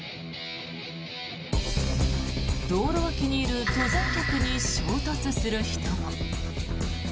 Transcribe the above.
道路脇にいる登山客に衝突する人も。